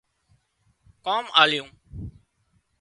ڪام آليون